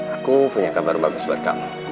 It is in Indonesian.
aku punya kabar bagus buat kamu